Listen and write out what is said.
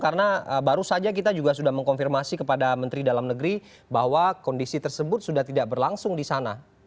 karena baru saja kita juga sudah mengkonfirmasi kepada menteri dalam negeri bahwa kondisi tersebut sudah tidak berlangsung di sana